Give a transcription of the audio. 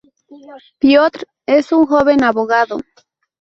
Piotr es un joven abogado.